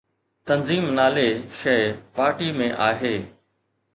تنظيم نالي شيءِ پارٽي ۾ آهي.